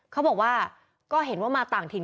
เขาบอกว่าก็เห็นว่ามาต่างถิ่น